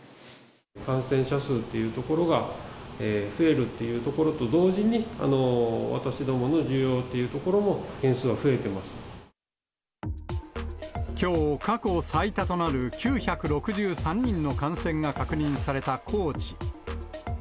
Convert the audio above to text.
感染者数っていうところが、増えるというところと同時に、私どもの需要っていうところも、きょう、過去最多となる９６３人の感染が確認された高知。